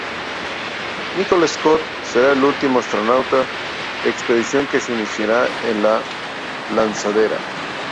Nicole Stott será el último astronauta expedición que se iniciará en la lanzadera.